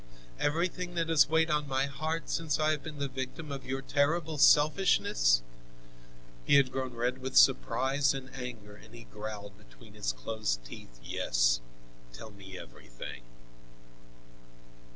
"Everything that has weighed on my heart since I have been the victim of your terrible selfishness?" He had grown red with surprise and anger and he growled between his closed teeth: "Yes, tell me everything."